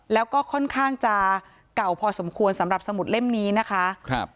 แล้วก็ค่อนข้างจะเก่าพอสมควรสำหรับสมุดเล่มนี้นะคะครับ